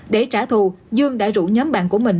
để trả thù dương đã rủ nhóm bạn của mình